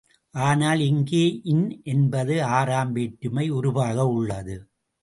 ஆனால், இங்கே இன் என்பது, ஆறாம் வேற்றுமை உருபாக உள்ளது.